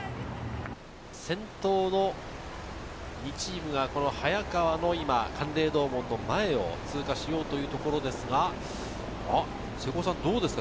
先頭の２チームがこの早川の函嶺洞門の前を通過しようというところですが、瀬古さん、どうですか？